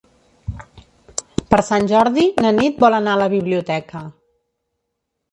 Per Sant Jordi na Nit vol anar a la biblioteca.